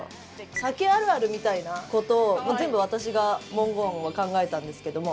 酒あるあるみたいなことを全部、私が文言を考えたんですけども。